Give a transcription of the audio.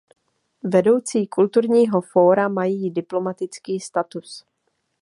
Vedoucí kulturního fóra mají diplomatický status.